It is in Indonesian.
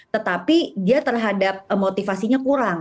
tetapi dia terhadap motivasinya kurang